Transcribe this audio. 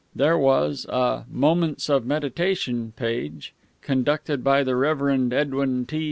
There was a "Moments of Meditation" page, conducted by the Reverend Edwin T.